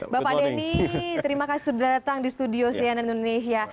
bapak denny terima kasih sudah datang di studio cnn indonesia